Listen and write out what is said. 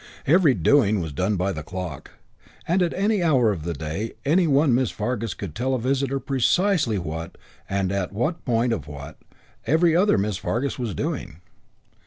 Every doing was done by the clock; and at any hour of the day any one Miss Fargus could tell a visitor precisely what, and at what point of what, every other Miss Fargus was doing.